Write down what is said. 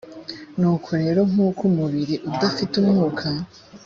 nuko rero nk’uko umubiri udafite umwuka